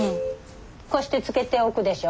こうして漬けておくでしょ？